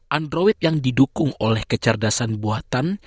android yang didukung oleh kecerdasan buatan